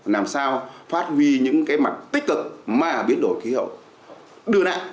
làm sao phát huy những cái mặt tích cực mà biến đổi khí hậu đưa lại